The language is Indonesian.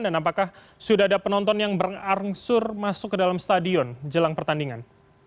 dan apakah sudah ada penonton yang berangsur masuk ke dalam stadion jelang pertandingan